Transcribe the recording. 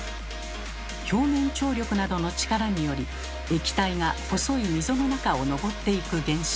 表面張力などの力により液体が細い溝の中を上っていく現象。